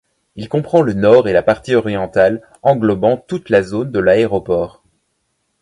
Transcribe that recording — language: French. Il comprend le nord et la partie orientale englobant toute la zone de l'aéroport.